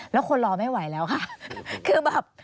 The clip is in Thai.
แล้วคนรอไม่ไหวแล้วค่ะคือแบบ